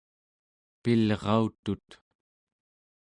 pilrautut